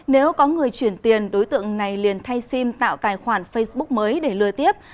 nếu có người chuyển tiền đối tượng này liền thay sim tạo tài khoản facebook mới để lừa tiếp